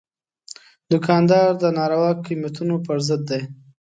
دوکاندار د ناروا قیمتونو پر ضد دی.